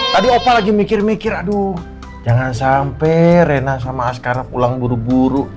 tadi opa lagi mikir mikir aduh jangan sampai rena sama sekarang pulang buru buru